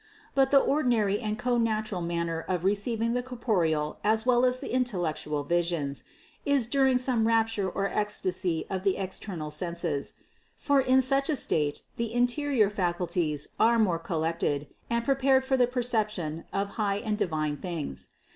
But the ordinary and co natural manner of receiving the corporeal as well as the intellectual visions, is during some rapture or ecstasy of the external senses ; THE CONCEPTION 497 for in such a state the interior faculties are more collected and prepared for the perception of high and divine things.